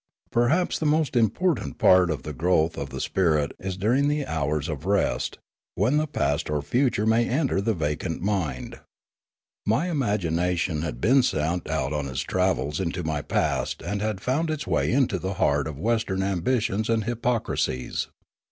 Perhaps the most important part of the growth of the spirit is during the hours of rest, when the past or future may enter the vacant mind. My imagination My Education 19 had been sent out on its travels into my past and had found its way into the heart of Western ambitions and hypocrisies.